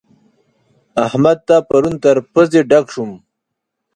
احمد ته پرون تر پزې ډک شوم.